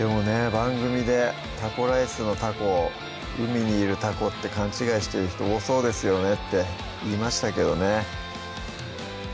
番組で「タコライスのタコを海にいるタコって勘違いしてる人多そうですよね」って言いましたけどね